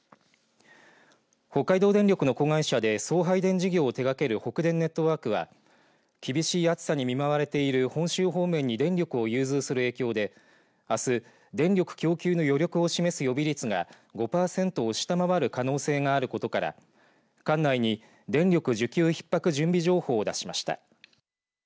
北海道電力の子会社で送配電事業を手がける北電ネットワークは厳しい暑さに見舞われている本州方面に電力を融通する影響であす、電力供給の余力を示す予備率が５パーセントを下回る可能性があることから管内に電力需給ひっ迫準備情報を出しました。